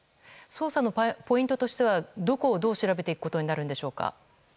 捜査のポイントとしてはどこをどう調べていくことになるんでしょうか。